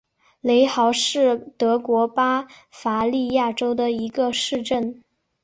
雷豪是德国巴伐利亚州的一个市镇。